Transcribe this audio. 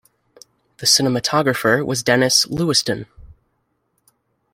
The cinematographer was Denis Lewiston.